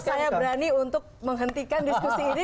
saya berani untuk menghentikan diskusi ini